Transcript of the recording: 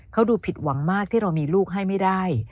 เขาดูผิดหวังมากที่เรามีลูกให้ไม่ได้